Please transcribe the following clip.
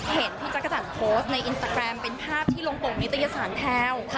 เห็นพี่จักรจันทร์โพสต์ในอินสตาแกรมเป็นภาพที่ลงปกนิตยสารแพลว